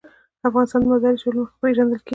افغانستان د مزارشریف له مخې پېژندل کېږي.